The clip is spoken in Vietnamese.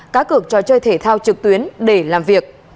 cá cực cho chơi thể thao trực tuyến để làm việc